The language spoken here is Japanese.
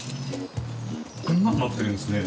こんなんなってるんですね。